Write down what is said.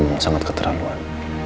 gue emang sangat keterlaluan